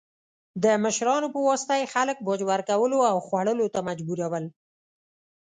د مشرانو په واسطه یې خلک باج ورکولو او خوړو ته مجبورول.